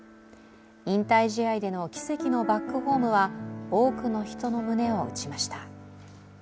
引退試合での奇跡のバックホームは多くの人の胸を打ちました。